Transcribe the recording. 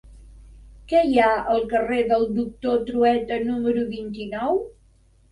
Què hi ha al carrer del Doctor Trueta número vint-i-nou?